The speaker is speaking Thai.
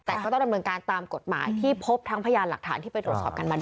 แต่ก็ต้องดำเนินการตามกฎหมายที่พบทั้งพยานหลักฐานที่ไปตรวจสอบกันมาด้วย